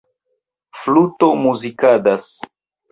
Fluto Muzikadas.